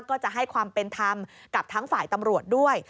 ก็จะให้ความเป็นธรรมกับทั้งฝ่ายตำรวจด้วย